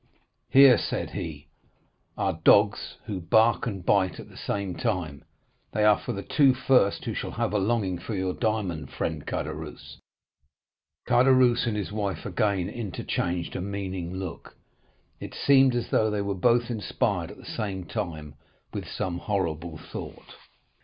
'Here,' said he, 'are dogs who bark and bite at the same time, they are for the two first who shall have a longing for your diamond, Friend Caderousse.' "Caderousse and his wife again interchanged a meaning look. It seemed as though they were both inspired at the same time with some horrible thought.